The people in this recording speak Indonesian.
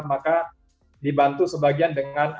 maka dibantu sebagian dengan alat alat swab